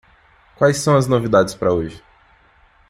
Quais são as novidades para hoje?